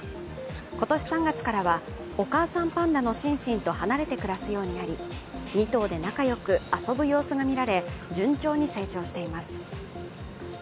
今年３月からはお母さんパンダのシンシンと離れて暮らすようになり、２頭で仲良く遊ぶ様子がみられ順調に成長しています。